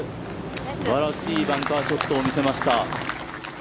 すばらしいバンカーショットを見せました。